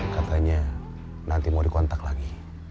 katanya nanti mau dikontak lagi